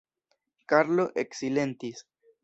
Karlo eksilentis.